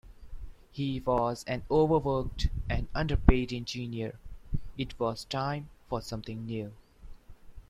He was an over-worked and underpaid Engineer, it was time for something new.